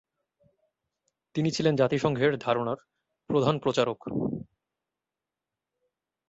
তিনি ছিলেন জাতিসংঘের ধারণার প্রধান প্রচারক।